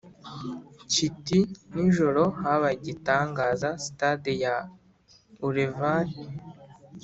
kiti nijoro habaye igitangaza Sitade ya Ulleval